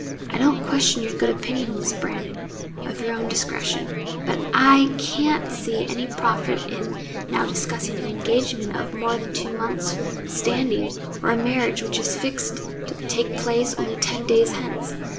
'I don't question your good opinion, Miss Brandon, of your own discretion; but I can't see any profit in now discussing an engagement of more than two months' standing, or a marriage, which is fixed to take place only ten days hence.